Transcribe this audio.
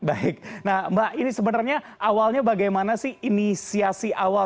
baik nah mbak ini sebenarnya awalnya bagaimana sih inisiasi awal